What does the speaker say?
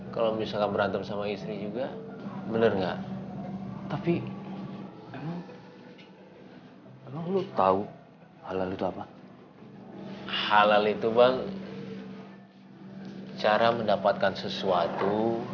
cara mendapatkan sesuatu